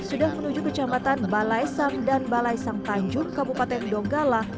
sudah menuju ke camatan balaisam dan balaisam tanjung kabupaten donggala